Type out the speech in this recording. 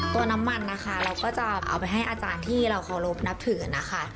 ตัวน้ำมันนะคะเราก็จะเอาไปให้อาจารย์ที่เราเคารพนับถือนะคะ